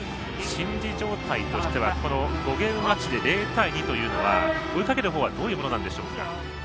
心理状態としてはこの５ゲームマッチで０対２というのは追いかけるほうはどういうものなんでしょうか？